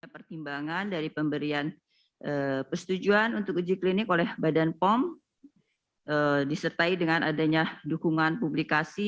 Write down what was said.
pertimbangan dari pemberian persetujuan untuk uji klinik oleh badan pom disertai dengan adanya dukungan publikasi